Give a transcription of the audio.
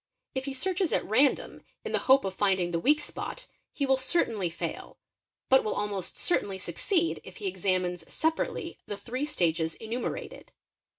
| If he searches at random in the hope of finding the weak spot, he will certainly fail; but will almost certainly succeed if he examines separately the three stages enumerated.